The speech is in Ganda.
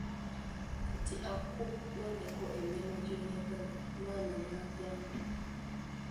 Kati Aku, londako ennyama gy'oyagala, maama n'agamba.